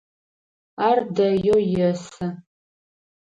Ар дэеу есы.